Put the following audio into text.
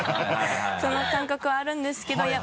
その感覚はあるんですけど。